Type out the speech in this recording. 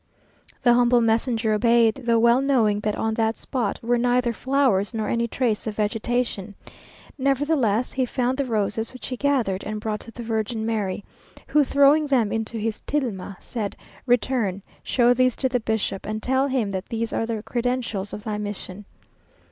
The humble messenger obeyed, though well knowing that on that spot were neither flowers nor any trace of vegetation. Nevertheless, he found the roses, which he gathered and brought to the Virgin Mary, who, throwing them into his tilma said, "Return, show these to the bishop, and tell him that these are the credentials of thy mission."